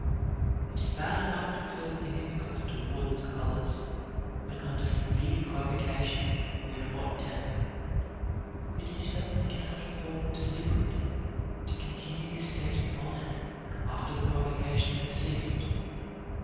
It is bad enough to feel inimical toward others when under severe provocation or in a hot temper, but you certainly can not afford deliberately to continue this state of mind after the provocation has ceased.